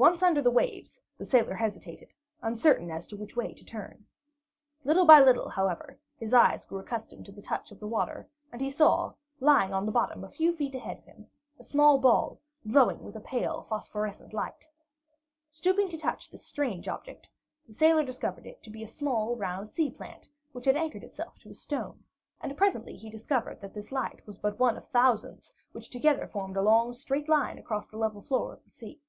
Once under the waves, the sailor hesitated, uncertain as to which way to turn. Little by little, however, his eyes grew accustomed to the touch of the water, and he saw, lying on the bottom a few feet ahead of him, a small ball glowing with a pale phosphorescent light. Stooping to touch this strange object, the sailor discovered it to be a small round sea plant which had anchored itself to a stone, and presently he discovered that this light was but one of thousands which together formed a long straight line across the level floor of the sea.